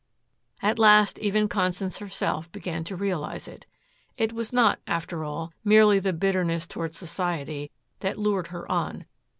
At last even Constance herself began to realize it. It was not, after all, merely the bitterness toward society, that lured her on.